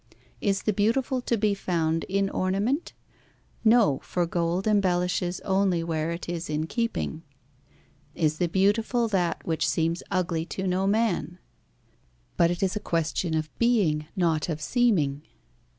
Is the beautiful to be found in ornament? No, for gold embellishes only where it is in keeping. Is the beautiful that which seems ugly to no man? But it is a question of being, not of seeming.